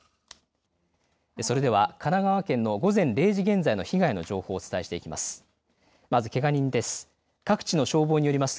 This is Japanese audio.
それでは神奈川県の午前０時現在の被害の情報をお伝えしていきます。